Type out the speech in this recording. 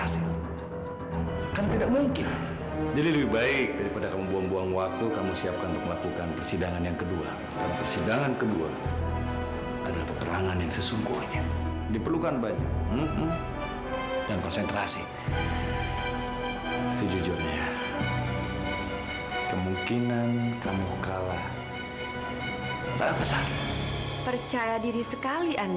sampai jumpa di video selanjutnya